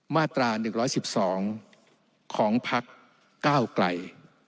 มาตรา๑๑๒ของพัก๙ไกล